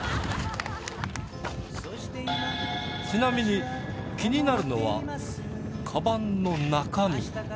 ちなみに気になるのはカバンの中身